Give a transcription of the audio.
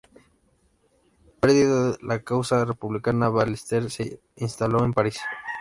Perdida la causa republicana, Ballester se instaló en París.